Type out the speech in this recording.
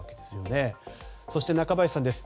そして、中林さんです。